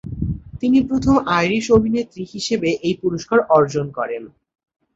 তিনি প্রথম আইরিশ অভিনেত্রী হিসেবে এই পুরস্কার অর্জন করেন।